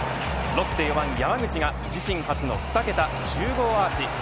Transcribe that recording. ロッテ４番山口が自身初の２桁１０号アーチ。